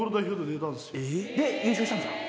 で優勝したんですか？